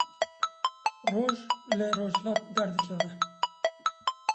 Roj li rojhilat derdikeve